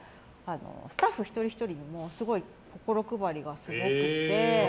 スタッフ一人ひとりにも心配りがすごくて。